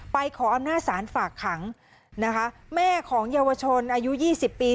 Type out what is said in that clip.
ขออำนาจศาลฝากขังนะคะแม่ของเยาวชนอายุ๒๐ปี